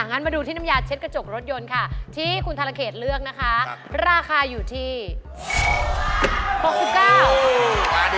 งั้นมาดูที่น้ำยาเช็ดกระจกรถยนต์ค่ะที่คุณธรเขตเลือกนะคะราคาอยู่ที่๖๙บาท